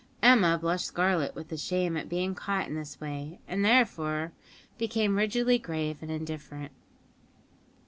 Emma blushed scarlet with shame at being caught in this way, and thereafter became rigidly grave and indifferent.